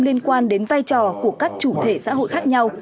liên quan đến vai trò của các chủ thể xã hội khác nhau